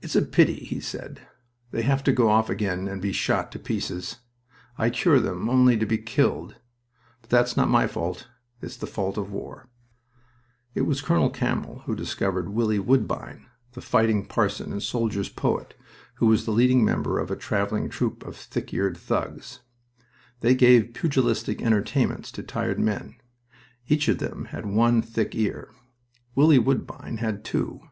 "It's a pity," he said, "they have to go off again and be shot to pieces. I cure them only to be killed but that's not my fault. It's the fault of war." It was Colonel Campbell who discovered "Willie Woodbine," the fighting parson and soldier's poet, who was the leading member of a traveling troupe of thick eared thugs. They gave pugilistic entertainments to tired men. Each of them had one thick ear. Willie Woodbine had two.